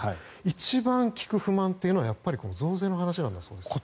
一番聞く不満は増税の話なんだそうです。